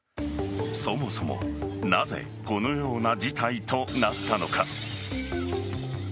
そもそもなぜこのような事態となったのか。